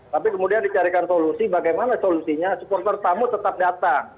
tapi kemudian dicarikan solusi bagaimana solusinya supporter tamu tetap datang